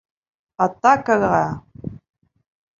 Атакаға!